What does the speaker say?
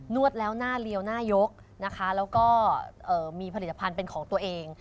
วดแล้วหน้าเรียวหน้ายกนะคะแล้วก็มีผลิตภัณฑ์เป็นของตัวเอง